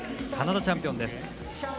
カナダチャンピオンです。